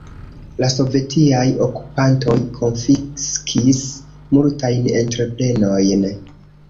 La sovetiaj okupantoj konfiskis multajn entreprenojn.